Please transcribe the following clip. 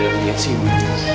ada yang lihat sini